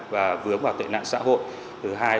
và vướng vào tệ nạn xã hội